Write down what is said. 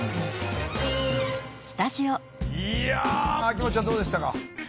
秋元ちゃんどうでしたか？